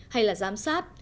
hay là giám sát